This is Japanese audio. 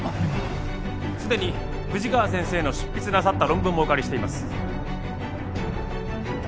すでに富士川先生の執筆なさった論文もお借りしています。